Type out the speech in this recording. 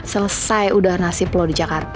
selesai udah nasib loh di jakarta